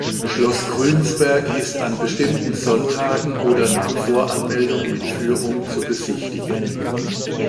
Schloss Grünsberg ist an bestimmten Sonntagen oder nach Voranmeldung mit Führung zu besichtigen.